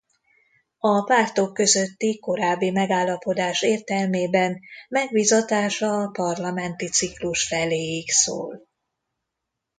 A pártok közötti korábbi megállapodás értelmében megbízatása a parlamenti ciklus feléig szól.